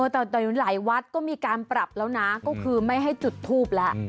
แต่หลายวัดก็มีการปรับแล้วนะก็คือไม่ให้จุดทูปแล้ว